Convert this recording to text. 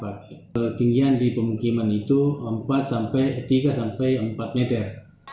ketinggian di pemukiman itu tiga sampai empat meter